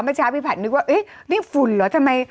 เมื่อเช้าพี่ผันต์นึกว่านี่ฝุนหรือ